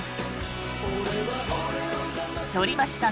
反町さん